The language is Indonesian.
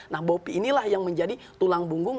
nah bopi inilah yang menjadi tulang punggung